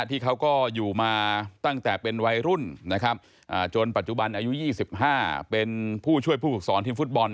ที่เขาก็อยู่มาตั้งแต่เป็นวัยรุ่นนะครับจนปัจจุบันอายุ๒๕เป็นผู้ช่วยผู้ฝึกสอนทีมฟุตบอล